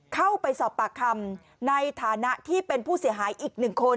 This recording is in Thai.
เข้าไปสอบปากคำในฐานะที่เป็นผู้เสียหายอีกหนึ่งคน